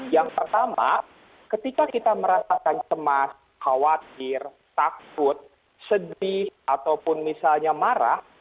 yang pertama ketika kita merasakan cemas khawatir takut sedih ataupun misalnya marah